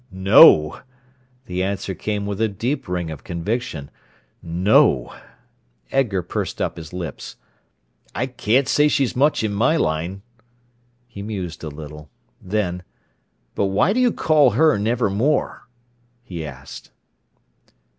"No!" The answer came with a deep ring of conviction. "No!" Edgar pursed up his lips. "I can't say she's much in my line." He mused a little. Then: "But why do you call her 'Nevermore'?" he asked.